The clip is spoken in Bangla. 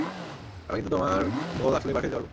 আমি কিন্তু তোমার ভোল আসলেই পাল্টে দিতে পারবো।